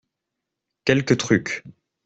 Quelques trucs.